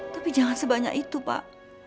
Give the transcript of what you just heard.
tapi jangan sebanyak itu pak